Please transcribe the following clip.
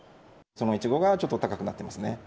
そのイチゴがちょっと高くなってますね。